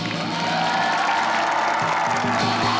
เสาคำยันอาวุธิ